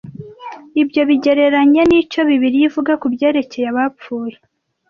Ibyo bigereranye n’icyo Bibiliya ivuga ku byerekeye abapfuye